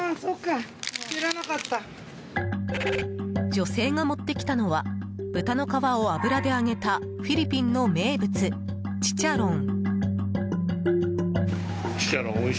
女性が持ってきたのは豚の皮を油で揚げたフィリピンの名物、チチャロン。